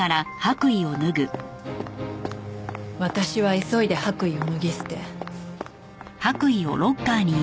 私は急いで白衣を脱ぎ捨て。